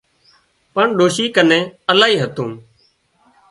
پڻ ڏوشي ڪنين الاهي هتون